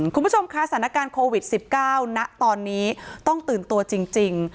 คุณผู้ชมคะสถานการณ์โควิด๑๙ณตอนนี้ต้องตื่นตัวจริง